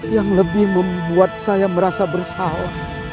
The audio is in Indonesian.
yang lebih membuat saya merasa bersalah